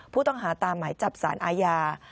ผู้ต้องหาตามหมายจับสารอาญา